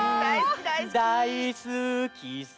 「だいすきさ」